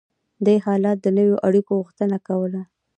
دې حالت د نویو اړیکو غوښتنه کوله.